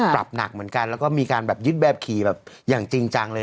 ปรับหนักเหมือนกันแล้วก็มีการแบบยึดแบบขี่แบบอย่างจริงจังเลย